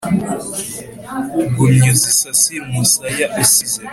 gumya uzisasire umusaya usize